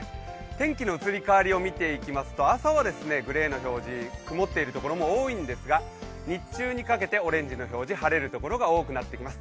天気の移り変わりを見ていきますと朝はグレーの表示曇っているところも多いんですが日中にかけてオレンジの表示、晴れるところが多くなってきます。